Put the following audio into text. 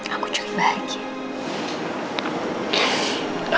aku jadi bahagia